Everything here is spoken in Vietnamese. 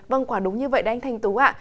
vâng quả đúng như vậy đa anh thanh tú ạ